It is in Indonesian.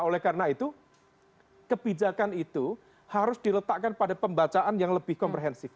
oleh karena itu kebijakan itu harus diletakkan pada pembacaan yang lebih komprehensif